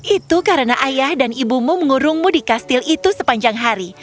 itu karena ayah dan ibumu mengurungmu di kastil itu sepanjang hari